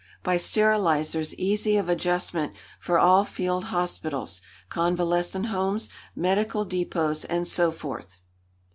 By sterilisers easy of adjustment for all field hospitals, convalescent homes, medical depots, and so forth.